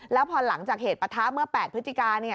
แล้วพอหลังจากเหตุปะทะเมื่อ๘พฤศจิกา